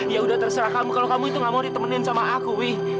ya udah terserah kamu kalau kamu itu gak mau ditemenin sama aku wih